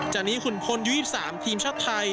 จากนี้ขุนพล๒๓ทีมชาติไทย